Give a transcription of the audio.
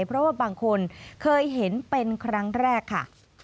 เพราะว่าบางคนเคยเห็นเป็นครั้งแรกค่ะ